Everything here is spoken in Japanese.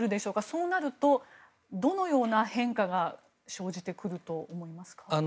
そうなると、どのような変化が生じてくると思いますか？